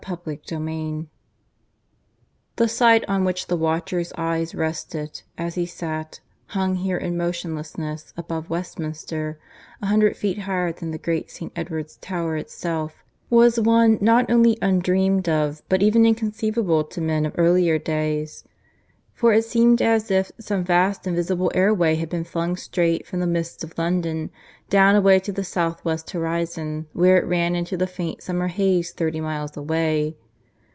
CHAPTER IV (I) The sight on which the watcher's eyes rested, as he sat, hung here in motionlessness above Westminster, a hundred feet higher than the great St. Edward's Tower itself, was one not only undreamed of, but even inconceivable to men of earlier days. For it seemed as if some vast invisible air way had been flung straight from the midst of London, down away to the south west horizon, where it ran into the faint summer haze thirty miles away.